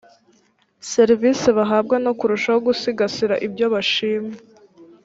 serivisi bahabwa no kurushaho gusigasira ibyo bashima